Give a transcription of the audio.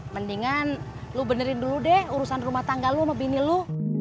mendingan lu benerin dulu deh urusan rumah tangga lo mau bini lo